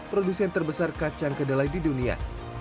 produsen terbesar kacang kedelai di dunia